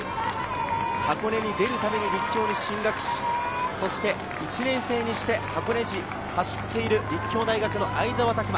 箱根に出るために立教に進学し、１年生にして箱根路を走っている立教大学の相澤拓摩。